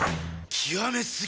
極め過ぎ！